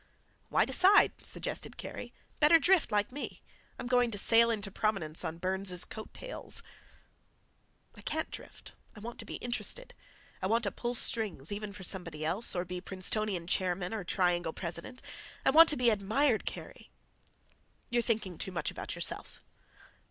"Why decide?" suggested Kerry. "Better drift, like me. I'm going to sail into prominence on Burne's coat tails." "I can't drift—I want to be interested. I want to pull strings, even for somebody else, or be Princetonian chairman or Triangle president. I want to be admired, Kerry." "You're thinking too much about yourself."